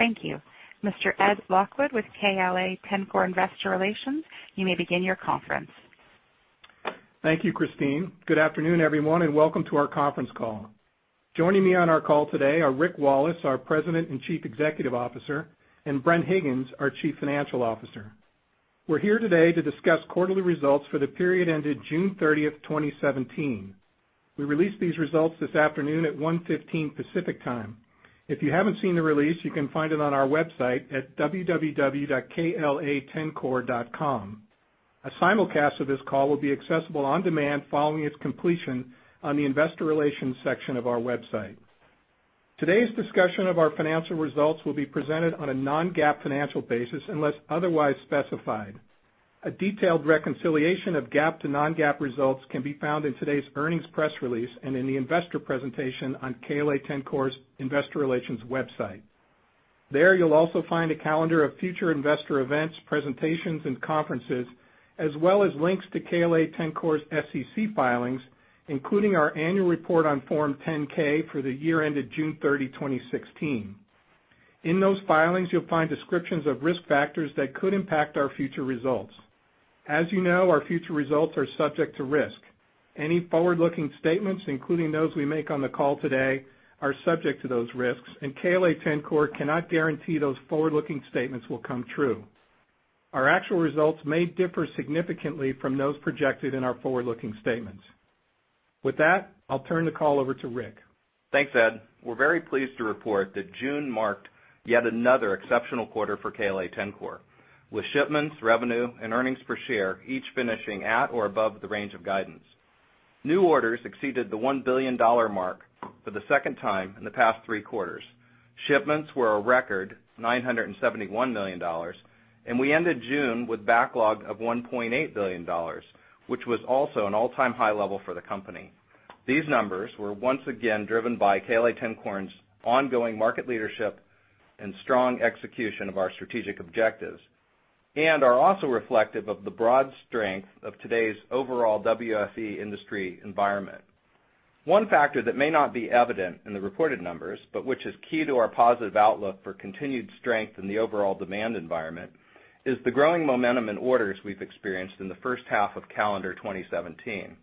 Thank you. Mr. Ed Lockwood with KLA-Tencor Investor Relations, you may begin your conference. Thank you, Christine. Welcome to our conference call. Joining me on our call today are Rick Wallace, our President and Chief Executive Officer, and Bren Higgins, our Chief Financial Officer. We're here today to discuss quarterly results for the period ended June 30th, 2017. We released these results this afternoon at 1:15 P.M. Pacific Time. If you haven't seen the release, you can find it on our website at www.kla-tencor.com. A simulcast of this call will be accessible on demand following its completion on the Investor Relations section of our website. Today's discussion of our financial results will be presented on a non-GAAP financial basis unless otherwise specified. A detailed reconciliation of GAAP to non-GAAP results can be found in today's earnings press release and in the investor presentation on KLA-Tencor's Investor Relations website. There, you'll also find a calendar of future investor events, presentations, and conferences, as well as links to KLA-Tencor's SEC filings, including our annual report on Form 10-K for the year ended June 30, 2016. In those filings, you'll find descriptions of risk factors that could impact our future results. As you know, our future results are subject to risk. Any forward-looking statements, including those we make on the call today, are subject to those risks. KLA-Tencor cannot guarantee those forward-looking statements will come true. Our actual results may differ significantly from those projected in our forward-looking statements. With that, I'll turn the call over to Rick. Thanks, Ed. We're very pleased to report that June marked yet another exceptional quarter for KLA-Tencor, with shipments, revenue, and earnings per share each finishing at or above the range of guidance. New orders exceeded the $1 billion mark for the second time in the past three quarters. Shipments were a record $971 million. We ended June with backlog of $1.8 billion, which was also an all-time high level for the company. These numbers were once again driven by KLA-Tencor's ongoing market leadership and strong execution of our strategic objectives. Are also reflective of the broad strength of today's overall WFE industry environment. One factor that may not be evident in the reported numbers, but which is key to our positive outlook for continued strength in the overall demand environment, is the growing momentum in orders we've experienced in the first half of calendar 2017.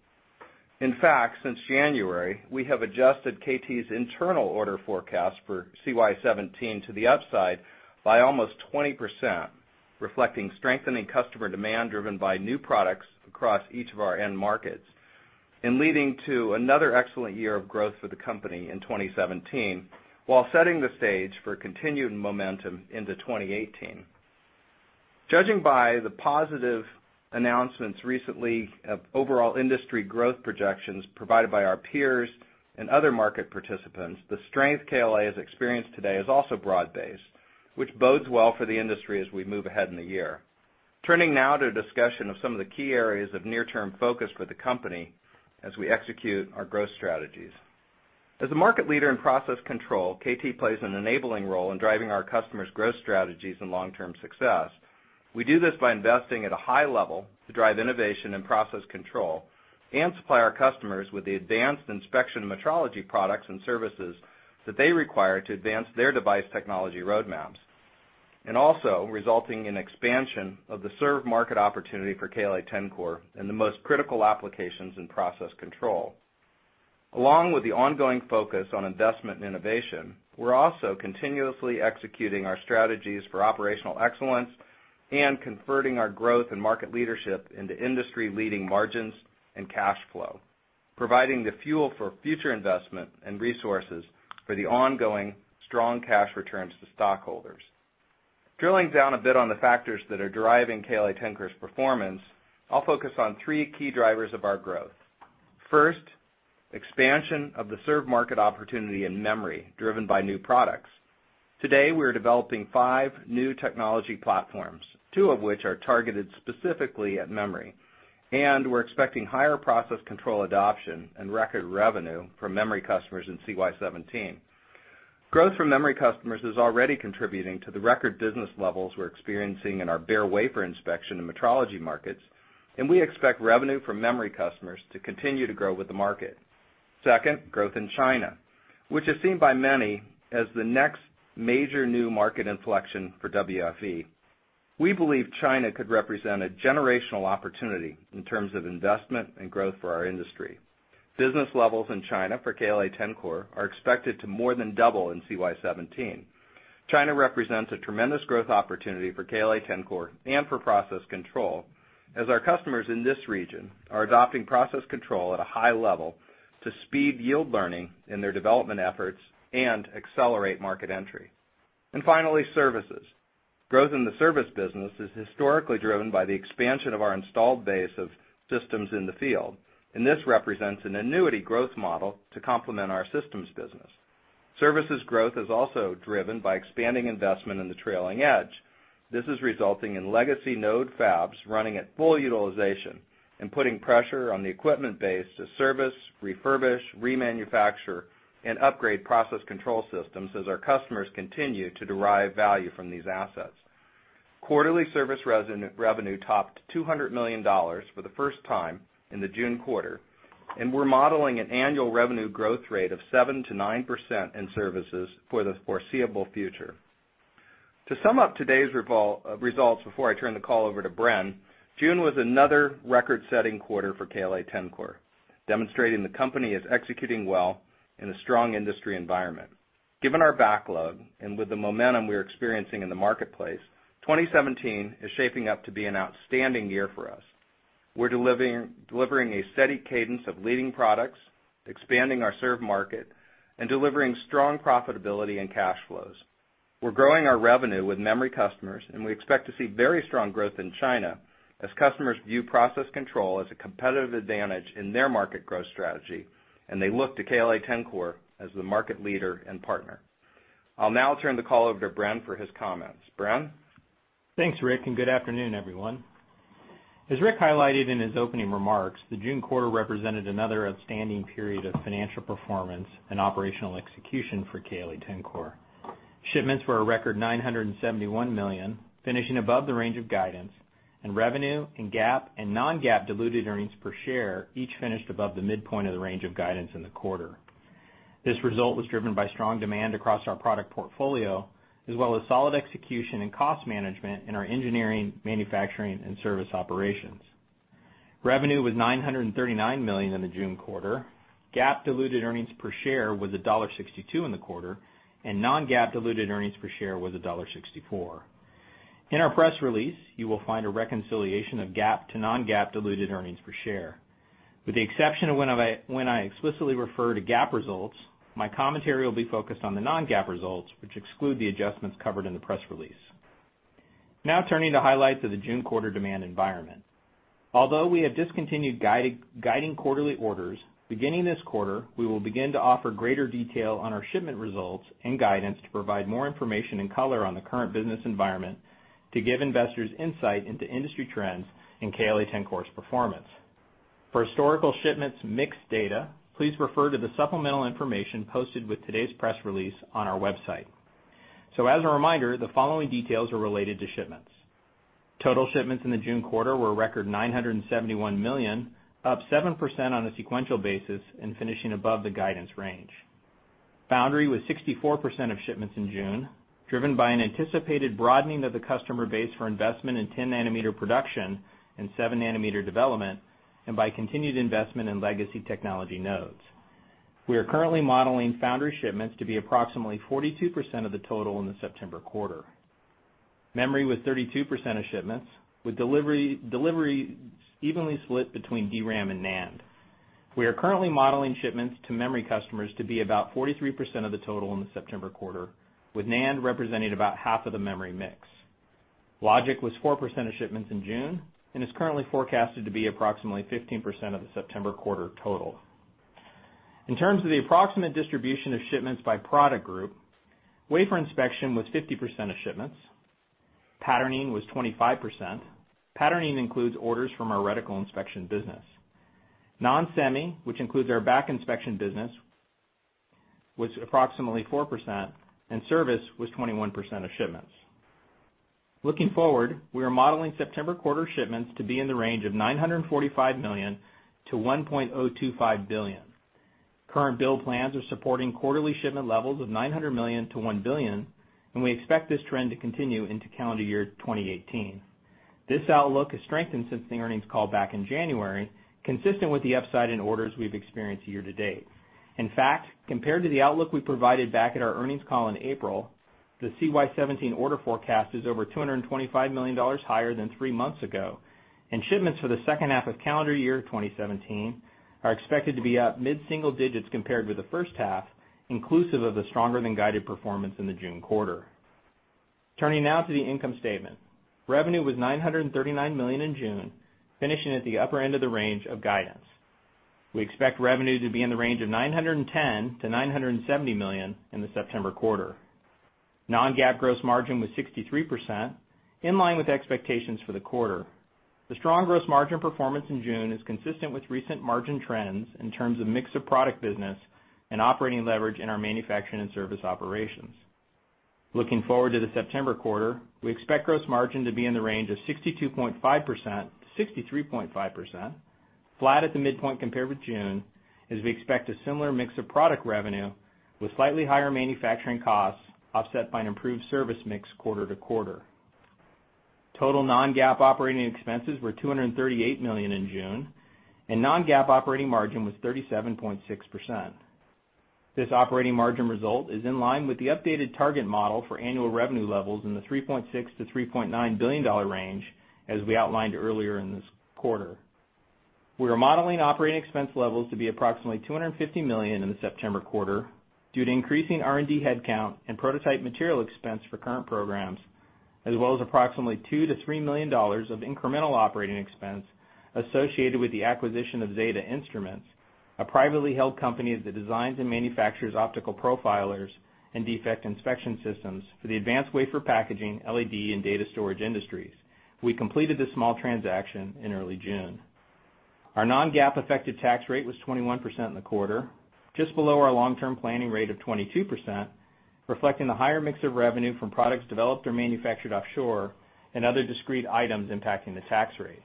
In fact, since January, we have adjusted KT's internal order forecast for CY '17 to the upside by almost 20%, reflecting strengthening customer demand driven by new products across each of our end markets and leading to another excellent year of growth for the company in 2017 while setting the stage for continued momentum into 2018. Judging by the positive announcements recently of overall industry growth projections provided by our peers and other market participants, the strength KLA has experienced today is also broad-based, which bodes well for the industry as we move ahead in the year. Turning now to a discussion of some of the key areas of near-term focus for the company as we execute our growth strategies. As a market leader in process control, KT plays an enabling role in driving our customers' growth strategies and long-term success. We do this by investing at a high level to drive innovation and process control and supply our customers with the advanced inspection metrology products and services that they require to advance their device technology roadmaps, also resulting in expansion of the served market opportunity for KLA-Tencor in the most critical applications in process control. Along with the ongoing focus on investment and innovation, we're also continuously executing our strategies for operational excellence and converting our growth and market leadership into industry-leading margins and cash flow, providing the fuel for future investment and resources for the ongoing strong cash returns to stockholders. Drilling down a bit on the factors that are driving KLA-Tencor's performance, I'll focus on three key drivers of our growth. First, expansion of the served market opportunity in memory driven by new products. Today, we are developing five new technology platforms, two of which are targeted specifically at memory. We're expecting higher process control adoption and record revenue from memory customers in CY '17. Growth from memory customers is already contributing to the record business levels we're experiencing in our bare wafer inspection and metrology markets. We expect revenue from memory customers to continue to grow with the market. Second, growth in China, which is seen by many as the next major new market inflection for WFE. We believe China could represent a generational opportunity in terms of investment and growth for our industry. Business levels in China for KLA-Tencor are expected to more than double in CY '17. China represents a tremendous growth opportunity for KLA-Tencor and for process control, as our customers in this region are adopting process control at a high level to speed yield learning in their development efforts and accelerate market entry. Finally, services. Growth in the service business is historically driven by the expansion of our installed base of systems in the field. This represents an annuity growth model to complement our systems business. Services growth is also driven by expanding investment in the trailing edge. This is resulting in legacy node fabs running at full utilization and putting pressure on the equipment base to service, refurbish, remanufacture, and upgrade process control systems as our customers continue to derive value from these assets. Quarterly service revenue topped $200 million for the first time in the June quarter. We're modeling an annual revenue growth rate of 7%-9% in services for the foreseeable future. To sum up today's results before I turn the call over to Bren, June was another record-setting quarter for KLA-Tencor, demonstrating the company is executing well in a strong industry environment. Given our backlog, and with the momentum we're experiencing in the marketplace, 2017 is shaping up to be an outstanding year for us. We're delivering a steady cadence of leading products, expanding our served market, and delivering strong profitability and cash flows. We're growing our revenue with memory customers, and we expect to see very strong growth in China as customers view process control as a competitive advantage in their market growth strategy, and they look to KLA-Tencor as the market leader and partner. I'll now turn the call over to Bren for his comments. Bren? Thanks, Rick, and good afternoon, everyone. As Rick highlighted in his opening remarks, the June quarter represented another outstanding period of financial performance and operational execution for KLA-Tencor. Shipments were a record $971 million, finishing above the range of guidance, and revenue and GAAP and non-GAAP diluted earnings per share each finished above the midpoint of the range of guidance in the quarter. This result was driven by strong demand across our product portfolio, as well as solid execution and cost management in our engineering, manufacturing, and service operations. Revenue was $939 million in the June quarter. GAAP diluted earnings per share was $1.62 in the quarter, and non-GAAP diluted earnings per share was $1.64. In our press release, you will find a reconciliation of GAAP to non-GAAP diluted earnings per share. With the exception of when I explicitly refer to GAAP results, my commentary will be focused on the non-GAAP results, which exclude the adjustments covered in the press release. Turning to highlights of the June quarter demand environment. Although we have discontinued guiding quarterly orders, beginning this quarter, we will begin to offer greater detail on our shipment results and guidance to provide more information and color on the current business environment to give investors insight into industry trends and KLA-Tencor's performance. For historical shipments mix data, please refer to the supplemental information posted with today's press release on our website. As a reminder, the following details are related to shipments. Total shipments in the June quarter were a record $971 million, up 7% on a sequential basis and finishing above the guidance range. Foundry was 64% of shipments in June, driven by an anticipated broadening of the customer base for investment in 10-nanometer production and 7-nanometer development, and by continued investment in legacy technology nodes. We are currently modeling foundry shipments to be approximately 42% of the total in the September quarter. Memory was 32% of shipments, with deliveries evenly split between DRAM and NAND. We are currently modeling shipments to memory customers to be about 43% of the total in the September quarter, with NAND representing about half of the memory mix. Logic was 4% of shipments in June, and is currently forecasted to be approximately 15% of the September quarter total. In terms of the approximate distribution of shipments by product group, wafer inspection was 50% of shipments. Patterning was 25%. Patterning includes orders from our reticle inspection business. Non-semi, which includes our back inspection business, was approximately 4%, and service was 21% of shipments. Looking forward, we are modeling September quarter shipments to be in the range of $945 million-$1.025 billion. Current bill plans are supporting quarterly shipment levels of $900 million-$1 billion, and we expect this trend to continue into calendar year 2018. This outlook has strengthened since the earnings call back in January, consistent with the upside in orders we've experienced year-to-date. In fact, compared to the outlook we provided back at our earnings call in April, the CY 2017 order forecast is over $225 million higher than three months ago, and shipments for the second half of calendar year 2017 are expected to be up mid-single digits compared with the first half, inclusive of the stronger-than-guided performance in the June quarter. Turning now to the income statement. Revenue was $939 million in June, finishing at the upper end of the range of guidance. We expect revenue to be in the range of $910 million-$970 million in the September quarter. Non-GAAP gross margin was 63%, in line with expectations for the quarter. The strong gross margin performance in June is consistent with recent margin trends in terms of mix of product business and operating leverage in our manufacturing and service operations. Looking forward to the September quarter, we expect gross margin to be in the range of 62.5%-63.5%, flat at the midpoint compared with June, as we expect a similar mix of product revenue with slightly higher manufacturing costs offset by an improved service mix quarter-to-quarter. Total non-GAAP operating expenses were $238 million in June, and non-GAAP operating margin was 37.6%. This operating margin result is in line with the updated target model for annual revenue levels in the $3.6 billion-$3.9 billion range as we outlined earlier in this quarter. We are modeling operating expense levels to be approximately $250 million in the September quarter due to increasing R&D headcount and prototype material expense for current programs, as well as approximately $2 million-$3 million of incremental operating expense associated with the acquisition of Zeta Instruments, a privately held company that designs and manufactures optical profilers and defect inspection systems for the advanced wafer packaging, LED, and data storage industries. We completed this small transaction in early June. Our non-GAAP effective tax rate was 21% in the quarter, just below our long-term planning rate of 22%, reflecting the higher mix of revenue from products developed or manufactured offshore and other discrete items impacting the tax rate.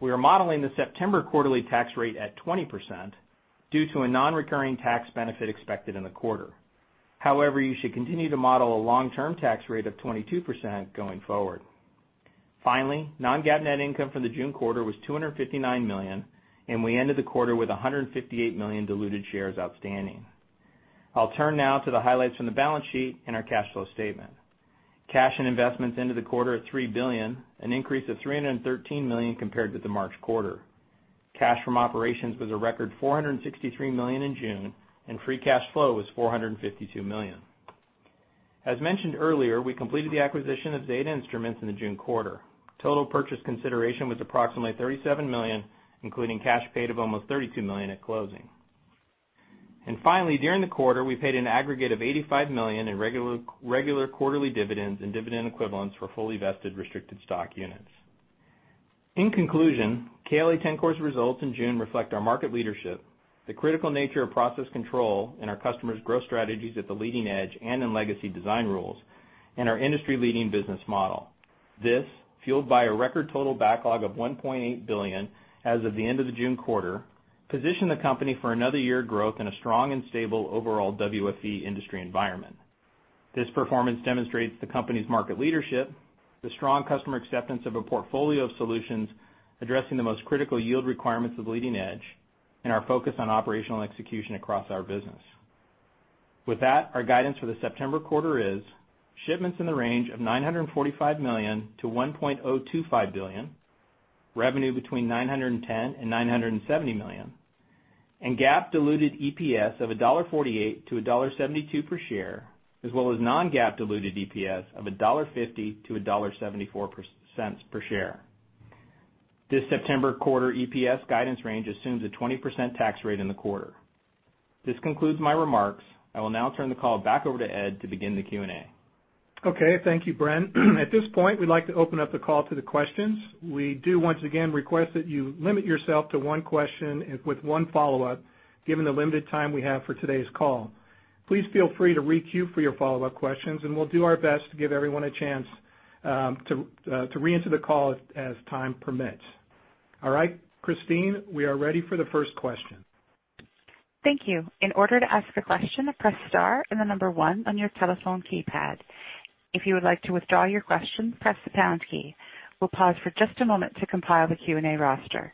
We are modeling the September quarterly tax rate at 20% due to a non-recurring tax benefit expected in the quarter. However, you should continue to model a long-term tax rate of 22% going forward. Finally, non-GAAP net income for the June quarter was $259 million, and we ended the quarter with 158 million diluted shares outstanding. I'll turn now to the highlights from the balance sheet and our cash flow statement. Cash and investments into the quarter at $3 billion, an increase of $313 million compared with the March quarter. Cash from operations was a record $463 million in June, and free cash flow was $452 million. As mentioned earlier, we completed the acquisition of Zeta Instruments in the June quarter. Total purchase consideration was approximately $37 million, including cash paid of almost $32 million at closing. Finally, during the quarter, we paid an aggregate of $85 million in regular quarterly dividends and dividend equivalents for fully vested restricted stock units. In conclusion, KLA-Tencor's results in June reflect our market leadership, the critical nature of process control, and our customers' growth strategies at the leading edge and in legacy design rules, and our industry-leading business model. This, fueled by a record total backlog of $1.8 billion as of the end of the June quarter, position the company for another year of growth in a strong and stable overall WFE industry environment. This performance demonstrates the company's market leadership, the strong customer acceptance of a portfolio of solutions addressing the most critical yield requirements of leading edge, and our focus on operational execution across our business. With that, our guidance for the September quarter is shipments in the range of $945 million-$1.025 billion, revenue between $910 million and $970 million, and GAAP diluted EPS of $1.48-$1.72 per share, as well as non-GAAP diluted EPS of $1.50-$1.74 per share. This September quarter EPS guidance range assumes a 20% tax rate in the quarter. This concludes my remarks. I will now turn the call back over to Ed to begin the Q&A. Okay, thank you, Bren. At this point, we'd like to open up the call to the questions. We do, once again, request that you limit yourself to one question with one follow-up, given the limited time we have for today's call. Please feel free to re-queue for your follow-up questions, and we'll do our best to give everyone a chance to reenter the call as time permits. All right. Christine, we are ready for the first question. Thank you. In order to ask a question, press star and the number one on your telephone keypad. If you would like to withdraw your question, press the pound key. We'll pause for just a moment to compile the Q&A roster.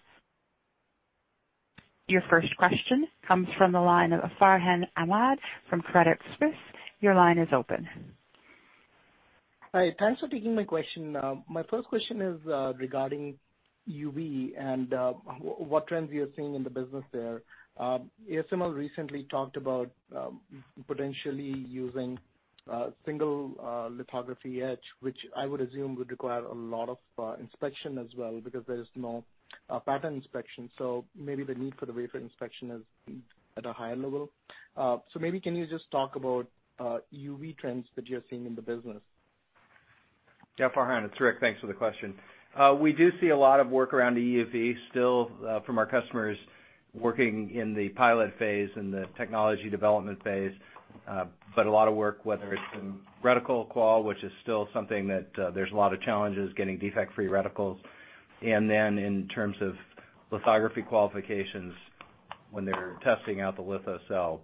Your first question comes from the line of Farhan Ahmad from Credit Suisse. Your line is open. Hi. Thanks for taking my question. My first question is regarding EUV and what trends you are seeing in the business there. ASML recently talked about potentially using single lithography etch, which I would assume would require a lot of inspection as well, because there is no pattern inspection. Maybe the need for the wafer inspection is at a higher level. Maybe can you just talk about EUV trends that you're seeing in the business? Yeah, Farhan, it's Rick. Thanks for the question. We do see a lot of work around EUV still from our customers working in the pilot phase and the technology development phase. A lot of work, whether it's in reticle qual, which is still something that there's a lot of challenges getting defect-free reticles. Then in terms of lithography qualifications when they're testing out the litho cell.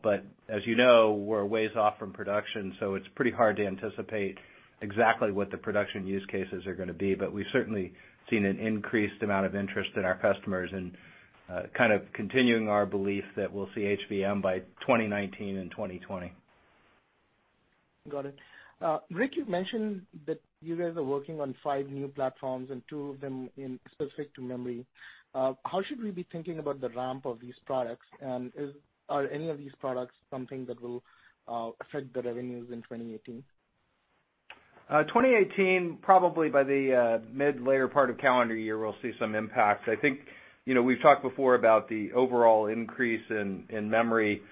As you know, we're ways off from production, so it's pretty hard to anticipate exactly what the production use cases are going to be. We've certainly seen an increased amount of interest in our customers and kind of continuing our belief that we'll see HVM by 2019 and 2020. Got it. Rick, you mentioned that you guys are working on five new platforms and two of them specific to memory. How should we be thinking about the ramp of these products? Are any of these products something that will affect the revenues in 2018? 2018, probably by the mid later part of calendar year, we'll see some impact. I think we've talked before about the overall increase in memory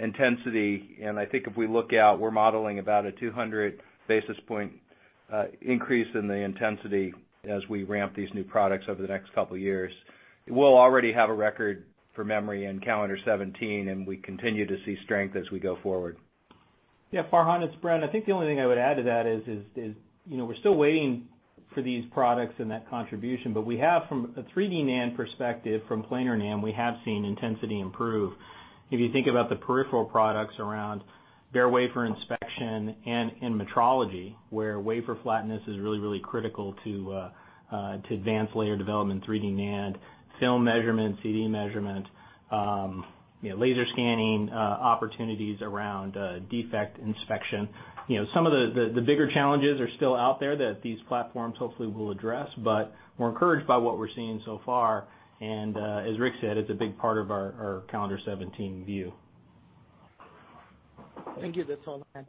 intensity. I think if we look out, we're modeling about a 200 basis point increase in the intensity as we ramp these new products over the next couple of years. We'll already have a record for memory in calendar 2017. We continue to see strength as we go forward. Yeah, Farhan, it's Bren. I think the only thing I would add to that is we're still waiting for these products and that contribution. We have, from a 3D NAND perspective, from planar NAND, we have seen intensity improve. If you think about the peripheral products around bare wafer inspection and in metrology, where wafer flatness is really, really critical to advanced layer development, 3D NAND, film measurement, CD measurement, laser scanning, opportunities around defect inspection. Some of the bigger challenges are still out there that these platforms hopefully will address. We're encouraged by what we're seeing so far. As Rick said, it's a big part of our calendar 2017 view. Thank you. That's all I had.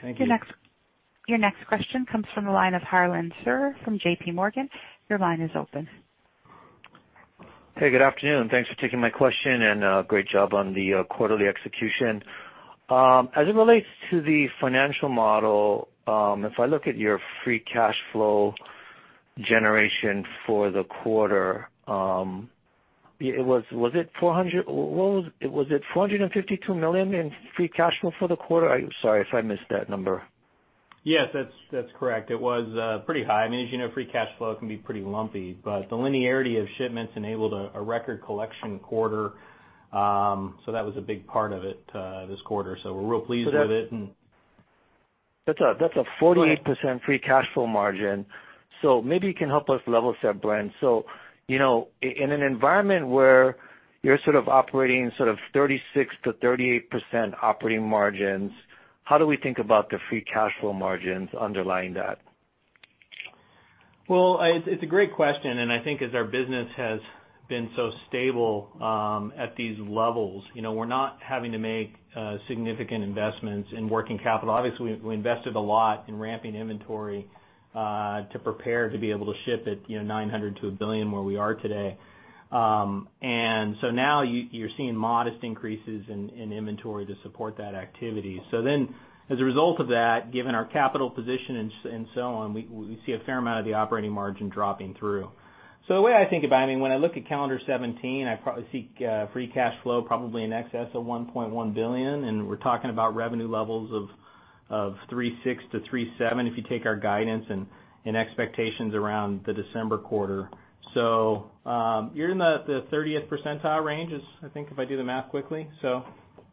Thank you. Your next question comes from the line of Harlan Sur from J.P. Morgan. Your line is open. Hey, good afternoon. Thanks for taking my question, and great job on the quarterly execution. As it relates to the financial model, if I look at your free cash flow generation for the quarter, was it $452 million in free cash flow for the quarter? Sorry if I missed that number. Yes, that's correct. It was pretty high. As you know, free cash flow can be pretty lumpy, but the linearity of shipments enabled a record collection quarter. That was a big part of it this quarter. We're real pleased with it. That's a 48% free cash flow margin. Maybe you can help us level set, Bren. In an environment where you're operating sort of 36%-38% operating margins, how do we think about the free cash flow margins underlying that? Well, it is a great question, and I think as our business has been so stable at these levels, we are not having to make significant investments in working capital. Obviously, we invested a lot in ramping inventory to prepare to be able to ship at 900 to 1 billion, where we are today. Now you are seeing modest increases in inventory to support that activity. As a result of that, given our capital position and so on, we see a fair amount of the operating margin dropping through. The way I think about it, when I look at CY '17, I probably see free cash flow probably in excess of $1.1 billion, and we are talking about revenue levels of $3.6 billion-$3.7 billion, if you take our guidance and expectations around the December quarter. You are in the 30th percentile range, I think, if I do the math quickly.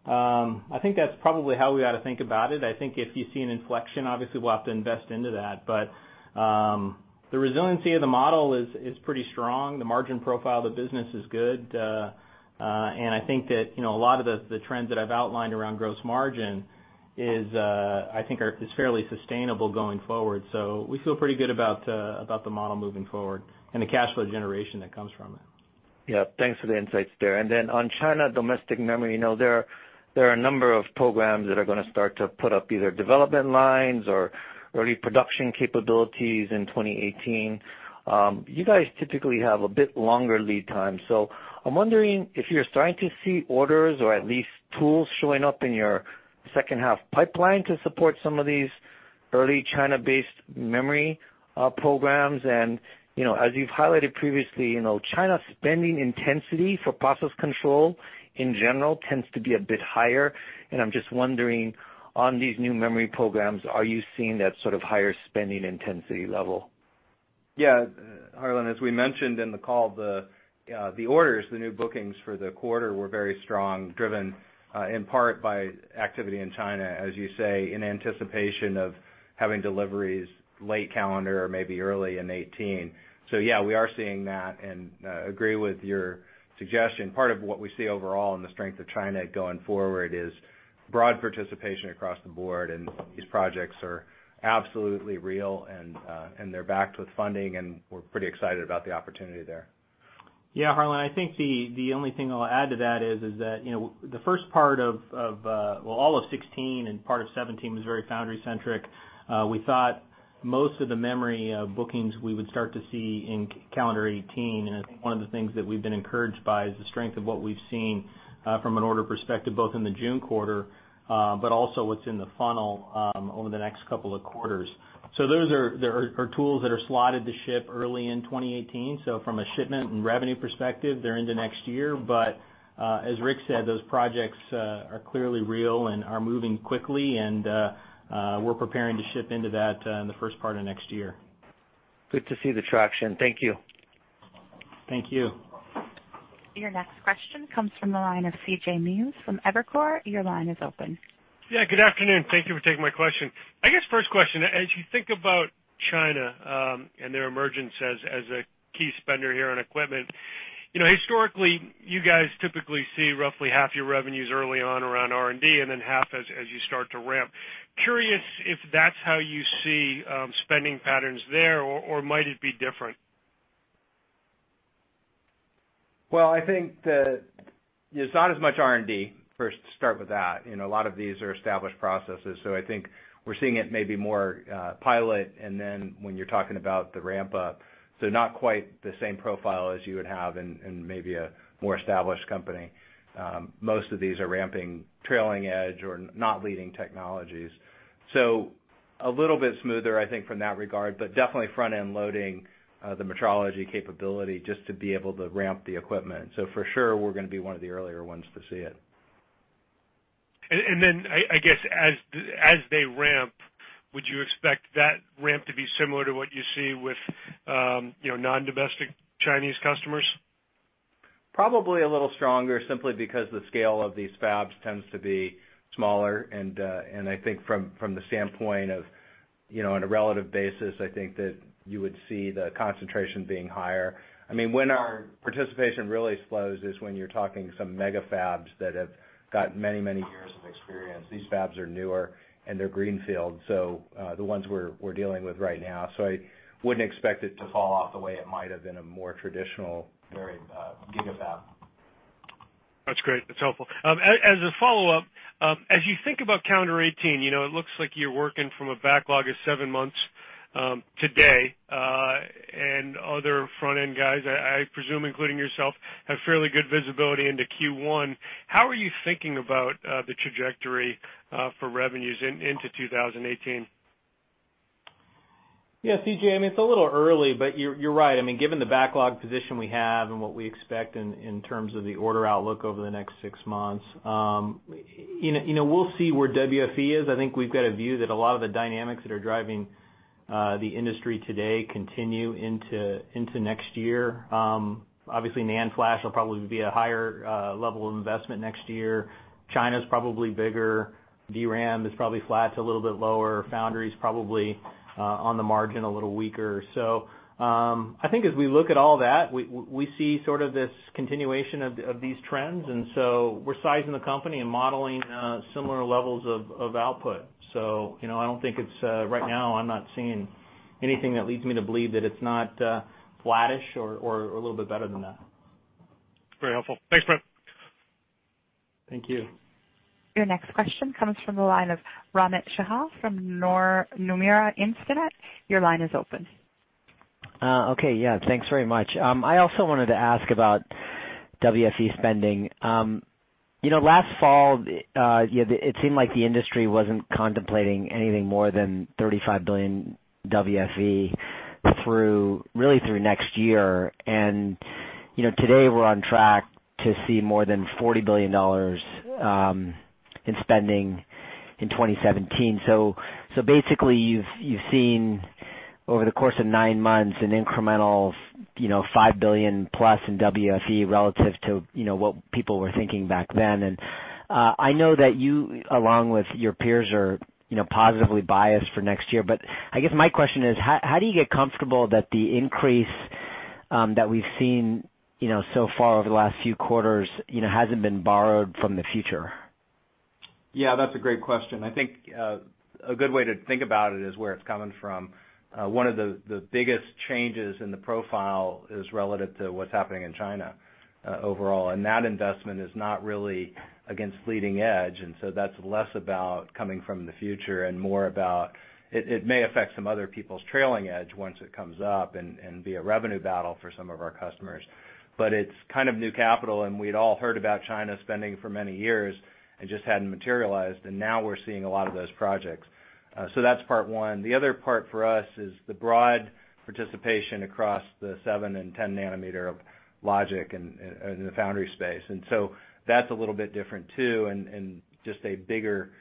I think that is probably how we ought to think about it. I think if you see an inflection, obviously we will have to invest into that. The resiliency of the model is pretty strong. The margin profile of the business is good. I think that a lot of the trends that I have outlined around gross margin is fairly sustainable going forward. We feel pretty good about the model moving forward and the cash flow generation that comes from it. Yeah. Thanks for the insights there. On China domestic memory, there are a number of programs that are going to start to put up either development lines or early production capabilities in 2018. You guys typically have a bit longer lead time. I am wondering if you are starting to see orders or at least tools showing up in your second half pipeline to support some of these early China-based memory programs. As you have highlighted previously, China's spending intensity for process control in general tends to be a bit higher. I am just wondering on these new memory programs, are you seeing that sort of higher spending intensity level? Yeah. Harlan, as we mentioned in the call, the orders, the new bookings for the quarter were very strong, driven in part by activity in China. As you say, in anticipation of having deliveries late calendar or maybe early in 2018. Yeah, we are seeing that and agree with your suggestion. Part of what we see overall in the strength of China going forward is broad participation across the board, and these projects are absolutely real, and they are backed with funding, and we are pretty excited about the opportunity there. Harlan, I think the only thing I'll add to that is that the first part of, well, all of 2016 and part of 2017 was very foundry centric. We thought most of the memory bookings we would start to see in CY 2018. I think one of the things that we've been encouraged by is the strength of what we've seen from an order perspective, both in the June quarter, but also what's in the funnel over the next couple of quarters. Those are tools that are slotted to ship early in 2018. From a shipment and revenue perspective, they're into next year, but, as Rick said, those projects are clearly real and are moving quickly and we're preparing to ship into that in the first part of next year. Good to see the traction. Thank you. Thank you. Your next question comes from the line of C.J. Muse from Evercore. Your line is open. Yeah, good afternoon. Thank you for taking my question. I guess first question, as you think about China, and their emergence as a key spender here on equipment. Historically, you guys typically see roughly half your revenues early on around R&D, and then half as you start to ramp. Curious if that's how you see spending patterns there, or might it be different? Well, I think that it's not as much R&D, first to start with that. A lot of these are established processes. I think we're seeing it maybe more pilot and then when you're talking about the ramp up, not quite the same profile as you would have in maybe a more established company. Most of these are ramping trailing edge or not leading technologies. A little bit smoother, I think, from that regard, but definitely front-end loading the metrology capability just to be able to ramp the equipment. For sure, we're going to be one of the earlier ones to see it. I guess as they ramp, would you expect that ramp to be similar to what you see with non-domestic Chinese customers? Probably a little stronger, simply because the scale of these fabs tends to be smaller. I think from the standpoint of on a relative basis, I think that you would see the concentration being higher. When our participation really slows is when you're talking some mega fabs that have got many years of experience. These fabs are newer and they're greenfield, the ones we're dealing with right now. I wouldn't expect it to fall off the way it might have in a more traditional very mega fab. That's great. That's helpful. As a follow-up, as you think about calendar 2018, it looks like you're working from a backlog of seven months today, and other front-end guys, I presume, including yourself, have fairly good visibility into Q1. How are you thinking about the trajectory for revenues into 2018? Yeah, CJ, it's a little early, but you're right. Given the backlog position we have and what we expect in terms of the order outlook over the next six months, we'll see where WFE is. I think we've got a view that a lot of the dynamics that are driving the industry today continue into next year. Obviously, NAND flash will probably be a higher level of investment next year. China's probably bigger. DRAM is probably flat to a little bit lower. Foundry's probably on the margin, a little weaker. I think as we look at all that, we see sort of this continuation of these trends, and so we're sizing the company and modeling similar levels of output. Right now I'm not seeing anything that leads me to believe that it's not flattish or a little bit better than that. Very helpful. Thanks, Rick. Thank you. Your next question comes from the line of Romit Shah from Nomura Instinet. Your line is open. Okay. Yeah, thanks very much. I also wanted to ask about WFE spending. Last fall, it seemed like the industry wasn't contemplating anything more than $35 billion WFE really through next year, and today we're on track to see more than $40 billion in spending in 2017. Basically, you've seen over the course of nine months an incremental $5 billion plus in WFE relative to what people were thinking back then, and I know that you, along with your peers, are positively biased for next year. I guess my question is, how do you get comfortable that the increase that we've seen so far over the last few quarters hasn't been borrowed from the future? Yeah, that's a great question. I think a good way to think about it is where it's coming from. One of the biggest changes in the profile is relative to what's happening in China overall, that investment is not really against leading edge, that's less about coming from the future and more about it may affect some other people's trailing edge once it comes up and be a revenue battle for some of our customers. It's kind of new capital, we'd all heard about China spending for many years and just hadn't materialized, now we're seeing a lot of those projects. That's part one. The other part for us is the broad participation across the seven and 10 nanometer of logic and in the foundry space. That's a little bit different, too, and just a bigger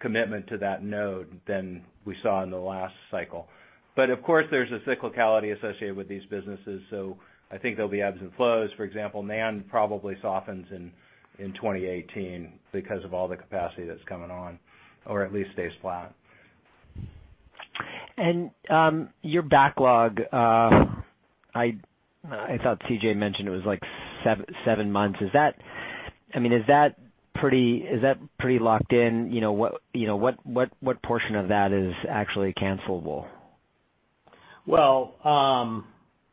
commitment to that node than we saw in the last cycle. Of course, there's a cyclicality associated with these businesses, I think there'll be ebbs and flows. For example, NAND probably softens in 2018 because of all the capacity that's coming on, or at least stays flat. Your backlog, I thought CJ mentioned it was seven months. Is that pretty locked in? What portion of that is actually cancelable? Well,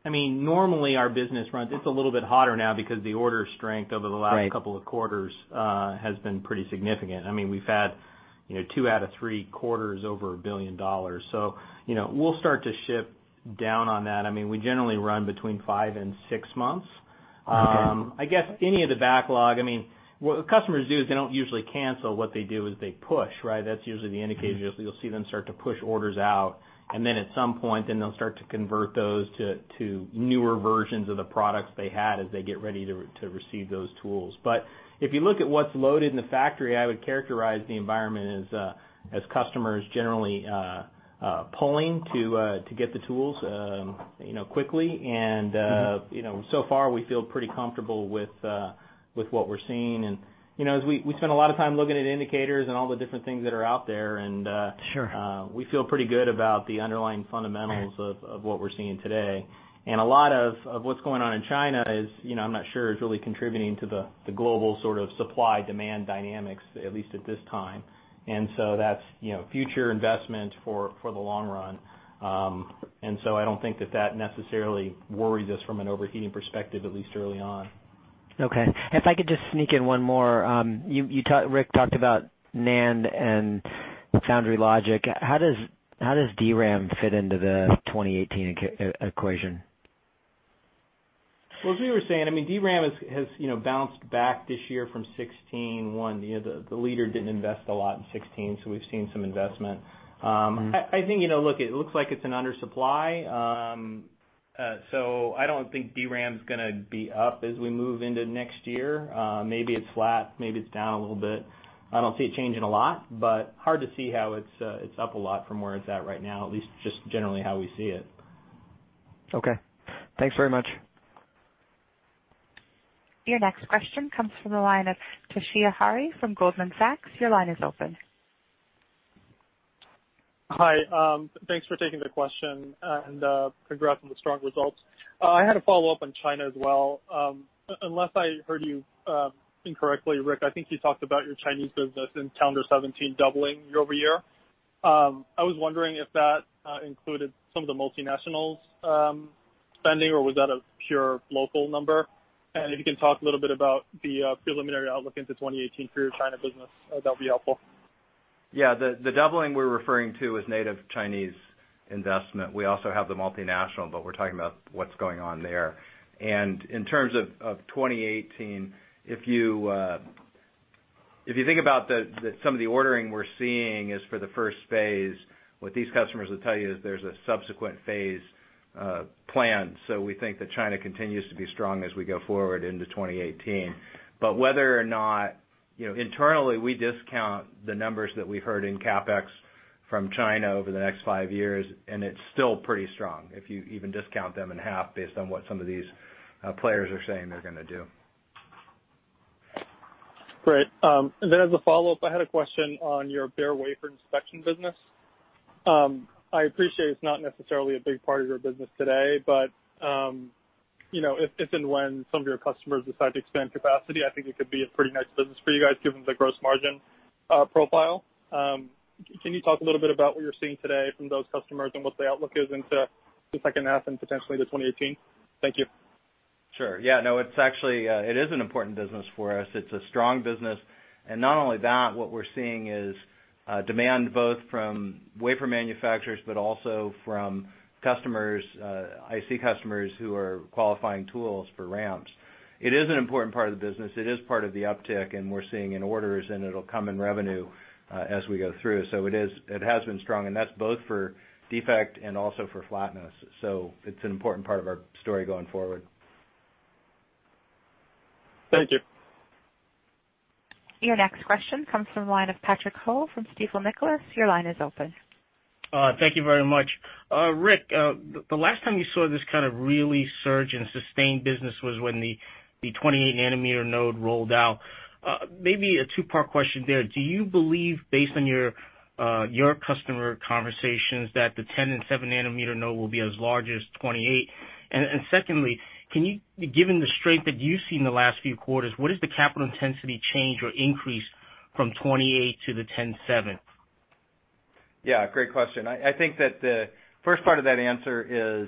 normally our business runs, it's a little bit hotter now because the order strength over the last Right of quarters has been pretty significant. We've had two out of three quarters over $1 billion, we'll start to ship down on that. We generally run between five and six months. Okay. I guess any of the backlog, what customers do is they don't usually cancel. What they do is they push, right? That's usually the indicator, is you'll see them start to push orders out, then at some point, then they'll start to convert those to newer versions of the products they had as they get ready to receive those tools. If you look at what's loaded in the factory, I would characterize the environment as customers generally pulling to get the tools quickly So far we feel pretty comfortable with what we're seeing, as we spend a lot of time looking at indicators and all the different things that are out there. Sure We feel pretty good about the underlying fundamentals. Okay Of what we're seeing today. A lot of what's going on in China is, I'm not sure is really contributing to the global sort of supply-demand dynamics, at least at this time. That's future investment for the long run. I don't think that necessarily worries us from an overheating perspective, at least early on. Okay. If I could just sneak in one more. Rick talked about NAND and foundry logic. How does DRAM fit into the 2018 equation? Well, as we were saying, DRAM has bounced back this year from 2016 one. The leader didn't invest a lot in 2016, we've seen some investment. I think, look, it looks like it's an undersupply. I don't think DRAM's going to be up as we move into next year. Maybe it's flat, maybe it's down a little bit. I don't see it changing a lot, hard to see how it's up a lot from where it's at right now, at least just generally how we see it. Okay. Thanks very much. Your next question comes from the line of Toshiya Hari from Goldman Sachs. Your line is open. Hi. Thanks for taking the question, and congrats on the strong results. I had a follow-up on China as well. Unless I heard you incorrectly, Rick, I think you talked about your Chinese business in calendar '17 doubling year-over-year? I was wondering if that included some of the multinationals spending, or was that a pure local number? If you can talk a little bit about the preliminary outlook into 2018 for your China business, that'd be helpful. Yeah. The doubling we're referring to is native Chinese investment. We also have the multinational, but we're talking about what's going on there. In terms of 2018, if you think about some of the ordering we're seeing is for the phase 1, what these customers will tell you is there's a subsequent phase plan. We think that China continues to be strong as we go forward into 2018. Whether or not internally, we discount the numbers that we heard in CapEx from China over the next five years, and it's still pretty strong if you even discount them in half based on what some of these players are saying they're going to do. Great. As a follow-up, I had a question on your bare wafer inspection business. I appreciate it's not necessarily a big part of your business today, but if and when some of your customers decide to expand capacity, I think it could be a pretty nice business for you guys, given the gross margin profile. Can you talk a little bit about what you're seeing today from those customers and what the outlook is into the second half and potentially to 2018? Thank you. Sure. Yeah, no, it is an important business for us. It's a strong business. Not only that, what we're seeing is demand both from wafer manufacturers, but also from IC customers who are qualifying tools for ramps. It is an important part of the business. It is part of the uptick, we're seeing in orders, it'll come in revenue as we go through. It has been strong, that's both for defect and also for flatness. It's an important part of our story going forward. Thank you. Your next question comes from the line of Patrick Ho from Stifel Nicolaus. Your line is open. Thank you very much. Rick, the last time you saw this kind of really surge in sustained business was when the 28 nanometer node rolled out. Maybe a two-part question there. Do you believe, based on your customer conversations, that the 10 and seven nanometer node will be as large as 28? Secondly, given the strength that you've seen in the last few quarters, what does the capital intensity change or increase from 28 to the 10 seven? Yeah, great question. I think that the first part of that answer is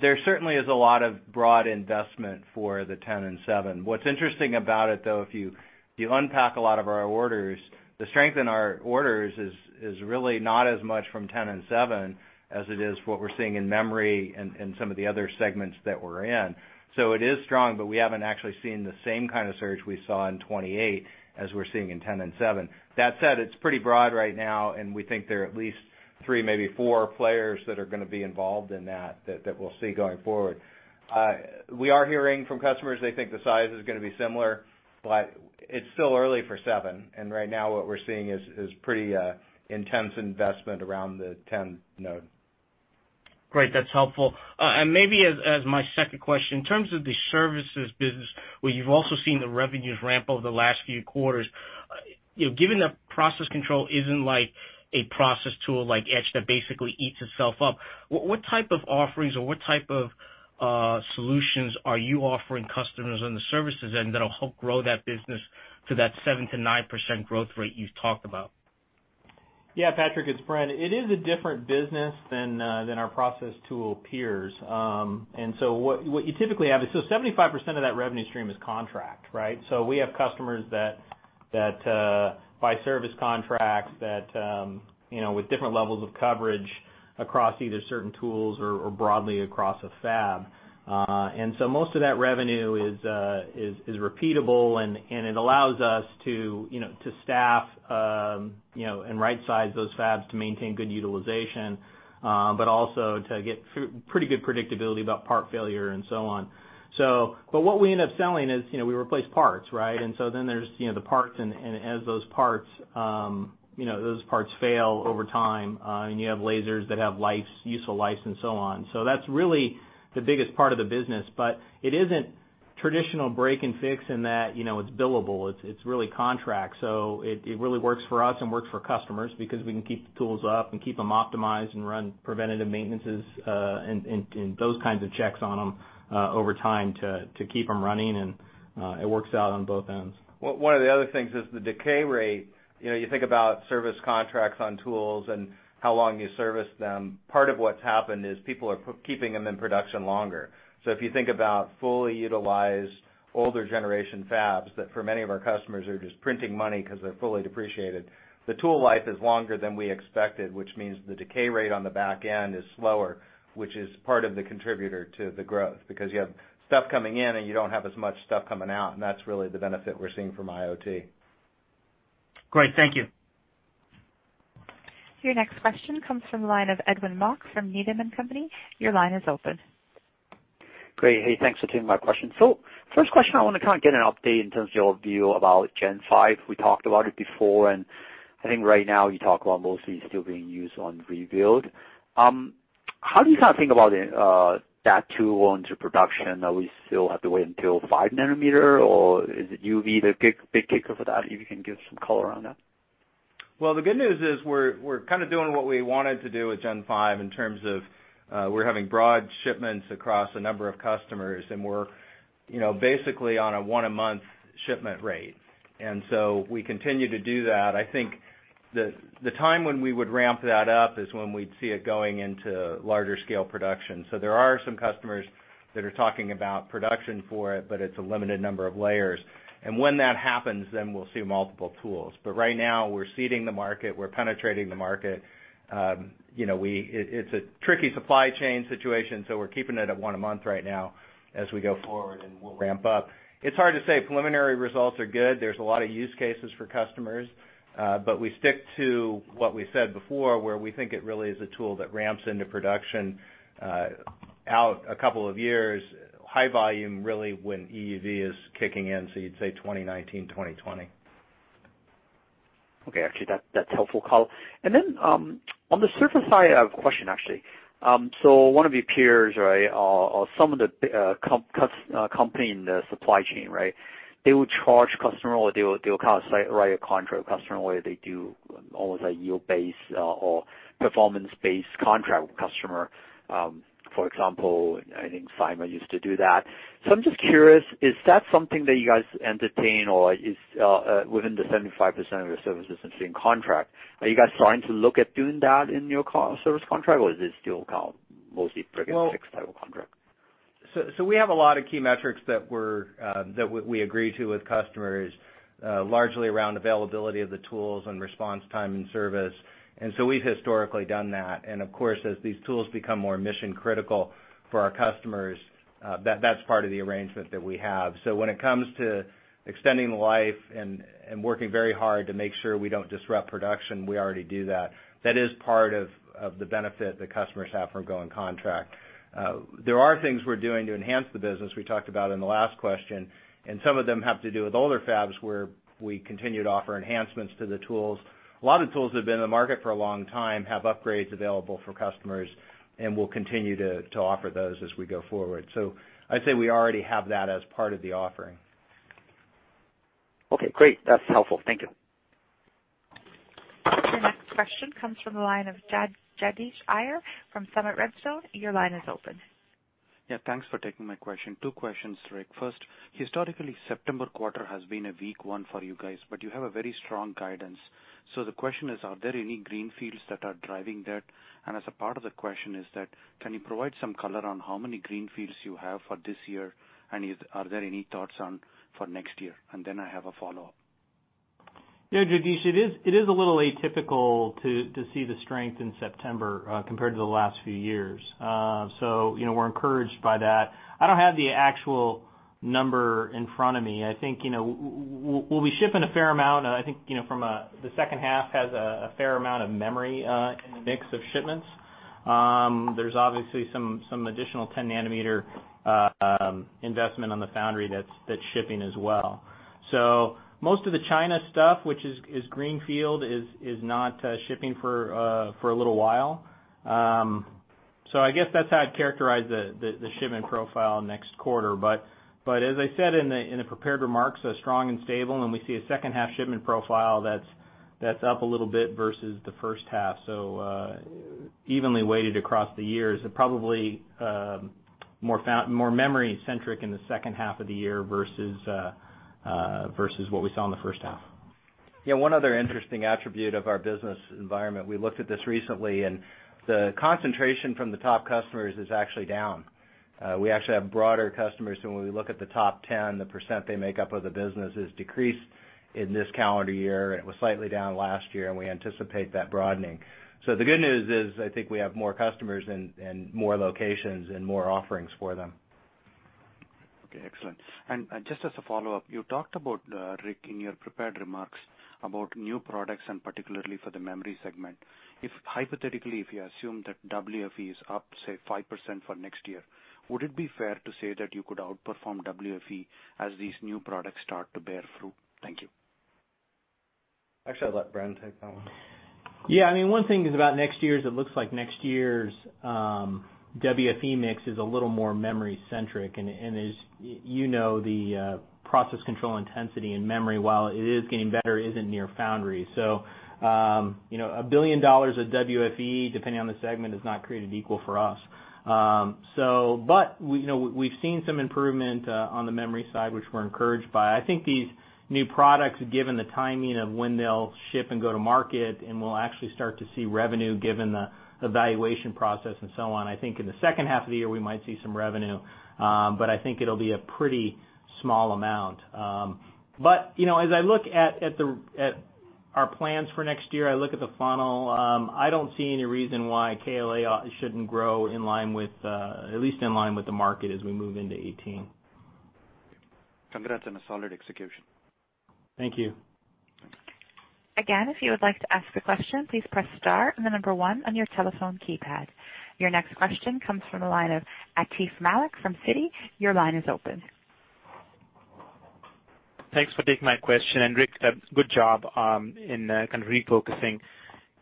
there certainly is a lot of broad investment for the 10 and 7. What's interesting about it, though, if you unpack a lot of our orders, the strength in our orders is really not as much from 10 and 7 as it is what we're seeing in memory and some of the other segments that we're in. It is strong, but we haven't actually seen the same kind of surge we saw in 28 as we're seeing in 10 and 7. That said, it's pretty broad right now, and we think there are at least three, maybe four players that are going to be involved in that we'll see going forward. We are hearing from customers, they think the size is going to be similar, but it's still early for 7. Right now what we're seeing is pretty intense investment around the 10 node. Great. That's helpful. Maybe as my second question, in terms of the services business, where you've also seen the revenues ramp over the last few quarters, given that process control isn't like a process tool like etch that basically eats itself up, what type of offerings or what type of solutions are you offering customers on the services end that'll help grow that business to that 7%-9% growth rate you've talked about? Yeah, Patrick, it's Bren. It is a different business than our process tool peers. What you typically have is, 75% of that revenue stream is contract, right? We have customers that buy service contracts with different levels of coverage across either certain tools or broadly across a fab. Most of that revenue is repeatable, and it allows us to staff, and rightsize those fabs to maintain good utilization, but also to get pretty good predictability about part failure and so on. What we end up selling is we replace parts, right? Then there's the parts, and as those parts fail over time, and you have lasers that have useful life and so on. That's really the biggest part of the business, but it isn't traditional break and fix in that it's billable, it's really contract. It really works for us and works for customers because we can keep the tools up and keep them optimized and run preventative maintenances, and those kinds of checks on them over time to keep them running, and it works out on both ends. One of the other things is the decay rate. You think about service contracts on tools and how long you service them. Part of what has happened is people are keeping them in production longer. If you think about fully utilized, older generation fabs, that for many of our customers are just printing money because they are fully depreciated, the tool life is longer than we expected, which means the decay rate on the back end is slower, which is part of the contributor to the growth, because you have stuff coming in, and you do not have as much stuff coming out, and that is really the benefit we are seeing from IoT. Great. Thank you. Your next question comes from the line of Edwin Mok from Needham & Company. Your line is open. Great. Hey, thanks for taking my question. First question, I want to kind of get an update in terms of your view about Gen5. We talked about it before, and I think right now you talk about mostly still being used on [rebuild]. How do you kind of think about that tool into production? We still have to wait until five nanometer, or is EUV the big kicker for that? If you can give some color on that. Well, the good news is we're kind of doing what we wanted to do with Gen5 in terms of we're having broad shipments across a number of customers, and we're basically on a one a month shipment rate. We continue to do that. I think the time when we would ramp that up is when we'd see it going into larger scale production. There are some customers that are talking about production for it, but it's a limited number of layers. When that happens, then we'll see multiple tools. Right now we're seeding the market, we're penetrating the market. It's a tricky supply chain situation, we're keeping it at one a month right now as we go forward, and we'll ramp up. It's hard to say. Preliminary results are good. There's a lot of use cases for customers. We stick to what we said before, where we think it really is a tool that ramps into production out a couple of years. High volume, really, when EUV is kicking in, you'd say 2019, 2020. Okay. Actually, that's helpful. On the surface, I have a question, actually. One of your peers or some of the company in the supply chain. They would charge customer, or they will write a contract customer where they do almost a yield-based or performance-based contract with customer. For example, I think Simon used to do that. I'm just curious, is that something that you guys entertain or is within the 75% of your services in contract? Are you guys starting to look at doing that in your service contract, or is it still mostly fixed type of contract? We have a lot of key metrics that we agree to with customers, largely around availability of the tools and response time and service. We've historically done that. Of course, as these tools become more mission critical for our customers, that's part of the arrangement that we have. When it comes to extending life and working very hard to make sure we don't disrupt production, we already do that. That is part of the benefit that customers have from going contract. There are things we're doing to enhance the business, we talked about in the last question, and some of them have to do with older fabs, where we continue to offer enhancements to the tools. A lot of tools that have been in the market for a long time, have upgrades available for customers, and we'll continue to offer those as we go forward. I'd say we already have that as part of the offering. Okay, great. That's helpful. Thank you. Your next question comes from the line of Jagadish Iyer from Summit Redstone. Your line is open. Yeah, thanks for taking my question. Two questions, Rick. First, historically, September quarter has been a weak one for you guys, but you have a very strong guidance. The question is: Are there any greenfields that are driving that? As a part of the question is that can you provide some color on how many greenfields you have for this year, and are there any thoughts on for next year? I have a follow-up. Yeah, Jagadish, it is a little atypical to see the strength in September compared to the last few years. We're encouraged by that. I don't have the actual number in front of me. I think we'll be shipping a fair amount, I think from the second half has a fair amount of memory in the mix of shipments. There's obviously some additional 10 nanometer investment on the foundry that's shipping as well. Most of the China stuff, which is greenfield, is not shipping for a little while. I guess that's how I'd characterize the shipment profile next quarter. As I said in the prepared remarks, they're strong and stable, and we see a second half shipment profile that's up a little bit versus the first half. Evenly weighted across the years, and probably more memory centric in the second half of the year versus what we saw in the first half. Yeah, one other interesting attribute of our business environment, we looked at this recently, and the concentration from the top customers is actually down. We actually have broader customers, when we look at the top 10, the % they make up of the business is decreased in this calendar year, and it was slightly down last year, and we anticipate that broadening. The good news is, I think we have more customers and more locations and more offerings for them. Okay, excellent. Just as a follow-up, you talked about, Rick, in your prepared remarks about new products and particularly for the memory segment. If hypothetically, if you assume that WFE is up, say, 5% for next year, would it be fair to say that you could outperform WFE as these new products start to bear fruit? Thank you. Actually, I'll let Bren take that one. One thing is about next year is it looks like next year's WFE mix is a little more memory centric, and as you know, the process control intensity in memory, while it is getting better, isn't near foundry. A $1 billion of WFE, depending on the segment, is not created equal for us. We've seen some improvement on the memory side, which we're encouraged by. I think these new products, given the timing of when they'll ship and go to market, and we'll actually start to see revenue given the evaluation process and so on. I think in the second half of the year, we might see some revenue. I think it'll be a pretty small amount. As I look at our plans for next year, I look at the funnel, I don't see any reason why KLA shouldn't grow at least in line with the market as we move into 2018. Congrats on a solid execution. Thank you. If you would like to ask a question, please press star and the number 1 on your telephone keypad. Your next question comes from the line of Atif Malik from Citi. Your line is open. Thanks for taking my question. Rick, good job in kind of refocusing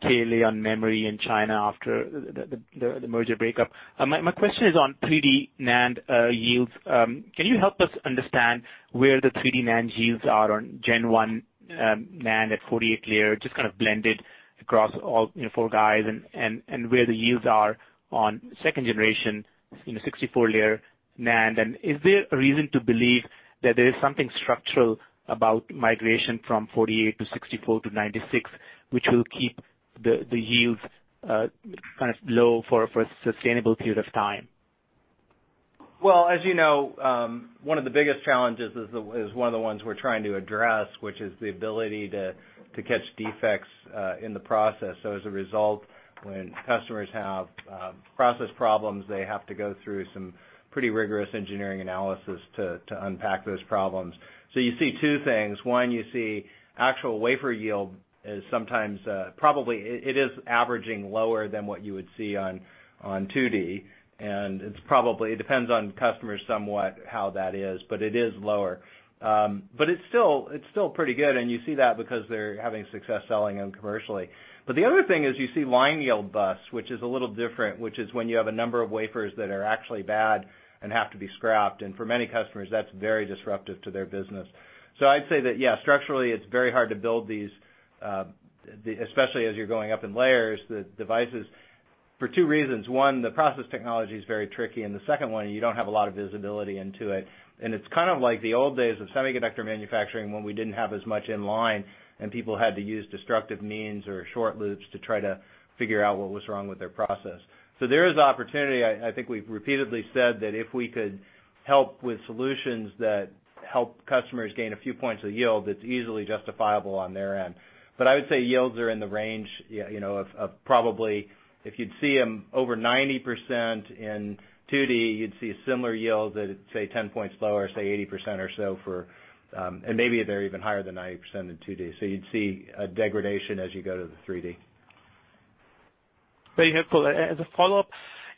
KLA on memory in China after the merger breakup. My question is on 3D NAND yields. Can you help us understand where the 3D NAND yields are on gen 1 NAND at 48 layer, just kind of blended across all four guys and where the yields are on second generation, 64-layer NAND. Is there a reason to believe that there is something structural about migration from 48 to 64 to 96, which will keep the yields low for a sustainable period of time? As you know, one of the biggest challenges is one of the ones we're trying to address, which is the ability to catch defects in the process. As a result, when customers have process problems, they have to go through some pretty rigorous engineering analysis to unpack those problems. You see two things. One, you see actual wafer yield is sometimes, probably, it is averaging lower than what you would see on 2D, and it depends on customers somewhat how that is, but it is lower. It's still pretty good, and you see that because they're having success selling them commercially. The other thing is you see line yield busts, which is a little different, which is when you have a number of wafers that are actually bad and have to be scrapped. For many customers, that's very disruptive to their business. I'd say that, yes, structurally, it's very hard to build these, especially as you're going up in layers, the devices, for two reasons. One, the process technology is very tricky, and the second one, you don't have a lot of visibility into it. It's kind of like the old days of semiconductor manufacturing, when we didn't have as much in line, and people had to use destructive means or short loops to try to figure out what was wrong with their process. There is opportunity. I think we've repeatedly said that if we could help with solutions that help customers gain a few points of yield, it's easily justifiable on their end. I would say yields are in the range of probably, if you'd see them over 90% in 2D, you'd see a similar yield that is, say, 10 points lower, say, 80% or so. Maybe they're even higher than 90% in 2D. You'd see a degradation as you go to the 3D. Very helpful. As a follow-up,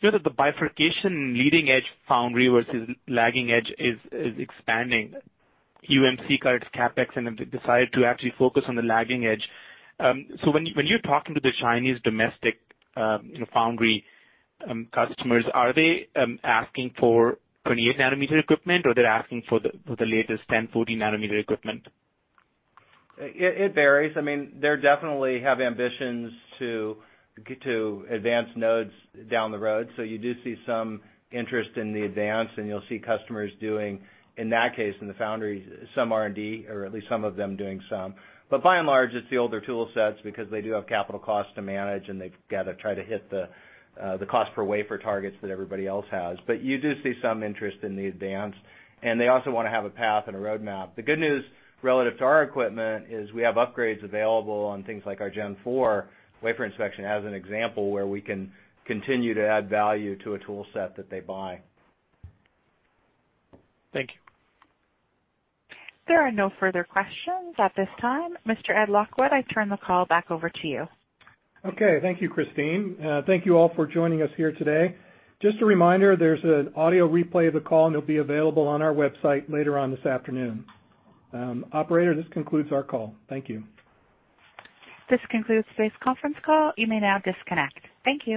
you know that the bifurcation leading-edge foundry versus lagging edge is expanding. UMC cut its CapEx, then they decide to actually focus on the lagging edge. When you're talking to the Chinese domestic foundry customers, are they asking for 28 nanometer equipment, or they're asking for the latest 10, 14 nanometer equipment? It varies. They definitely have ambitions to get to advanced nodes down the road. You do see some interest in the advance, and you'll see customers doing, in that case, in the foundry, some R&D, or at least some of them doing some. By and large, it's the older tool sets because they do have capital costs to manage, and they've got to try to hit the cost per wafer targets that everybody else has. You do see some interest in the advance, and they also want to have a path and a roadmap. The good news, relative to our equipment, is we have upgrades available on things like our Gen4 wafer inspection as an example where we can continue to add value to a tool set that they buy. Thank you. There are no further questions at this time. Mr. Ed Lockwood, I turn the call back over to you. Okay. Thank you, Christine. Thank you all for joining us here today. Just a reminder, there's an audio replay of the call, it'll be available on our website later on this afternoon. Operator, this concludes our call. Thank you. This concludes today's conference call. You may now disconnect. Thank you.